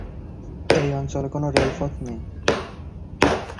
এই অঞ্চলে কোনও রেলপথ নেই।